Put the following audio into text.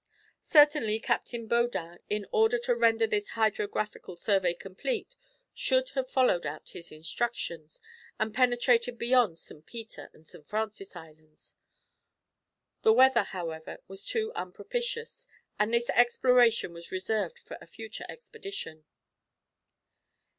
Certainly Captain Baudin, in order to render this hydrographical survey complete, should have followed out his instructions, and penetrated beyond St. Peter and St. Francis Islands. The weather, however, was too unpropitious, and this exploration was reserved for a future expedition.